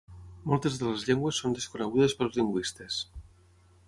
Moltes de les llengües són desconegudes pels lingüistes.